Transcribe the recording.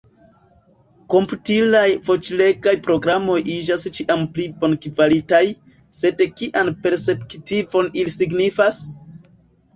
Komputilaj voĉlegaj programoj iĝas ĉiam pli bonkvalitaj, sed kian perspektivon ili signifas?